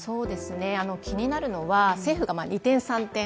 気になるのは政府が二転三転